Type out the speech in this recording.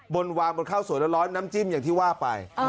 บนวางบนข้าวสวยร้อนน้ำจิ้มอย่างที่ว่าไป